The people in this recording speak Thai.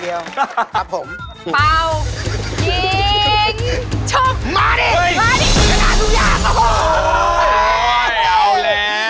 กรุงเทพคอนครับแม่ห้องสอน